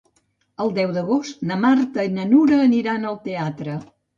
El deu d'agost na Marta i na Nura aniran al teatre.